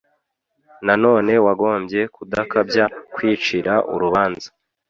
Nanone wagombye kudakabya kwicira urubanza